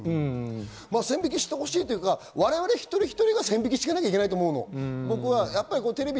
線引きしてほしいというか、我々、一人一人が線引きしていかないといけないと思うの。